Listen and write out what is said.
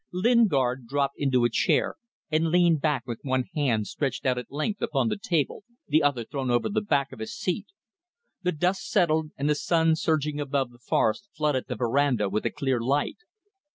Lingard dropped into a chair, and leaned back with one hand stretched out at length upon the table, the other thrown over the back of his seat. The dust settled, and the sun surging above the forest flooded the verandah with a clear light.